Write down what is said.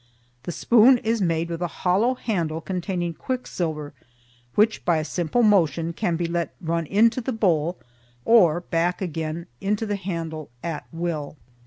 The spoon is made with a hollow handle containing quicksilver, which, by a simple motion, can be let run into the bowl, or back again into the handle at will.